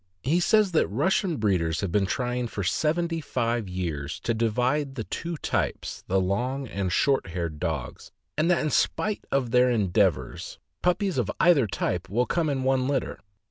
He says that Russian breeders have been trying for seventy five years to divide the two types, the long and short haired dogs, and that, in spite of their endeavors, puppies of either type will come in one litter.